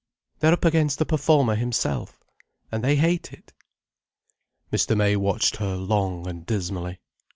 They're up against the performer himself. And they hate it." Mr. May watched her long and dismally.